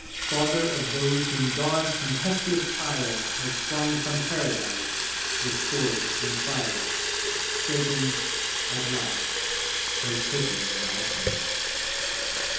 Father of those whom God's tempestuous ire Has flung from Paradise with sword and fire, Satan, at last take pity on our pain.